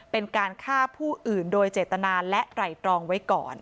เป็นการฆ่าผู้อื่นโดยเจตนาและไหล่ตรองไว้ก่อน